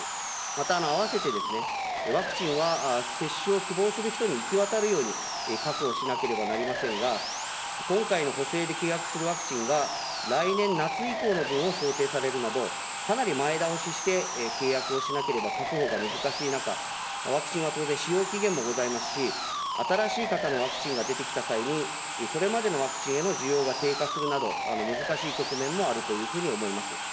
また併せて、ワクチンは接種を希望する人に行き渡るように確保しなければなりませんが、今回の補正で契約するワクチンが、来年夏以降の分を想定されるなど、かなり前倒しして契約をしなければ確保が難しい中、ワクチンは当然、使用期限もございますし、新しい型のワクチンが出てきた際にそれまでのワクチンへの需要が低下するなど、難しい局面もあるというふうに思います。